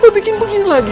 kenapa bikin begini lagi